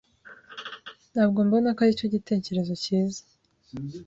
Ntabwo mbona ko aricyo gitekerezo cyiza